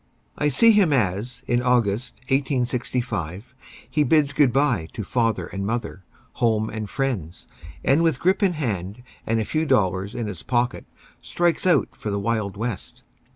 I see him as, in August, 1865, he bids good bye to father and mother, home and friends, and with grip in hand, and a few dollars in his pocket, strikes out for the wild West.